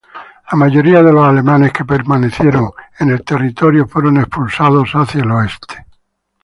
La mayoría de alemanes que permanecieron en el territorio fueron expulsados hacia el oeste.